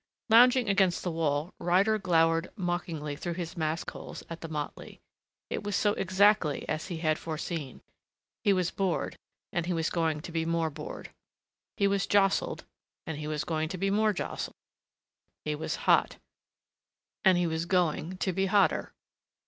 Lounging against the wall, Ryder glowered mockingly through his mask holes at the motley. It was so exactly as he had foreseen. He was bored and he was going to be more bored. He was jostled and he was going to be more jostled. He was hot and he was going to be hotter.